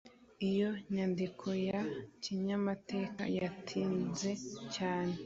iyo nyandiko ya kinyamateka, yatinze cyane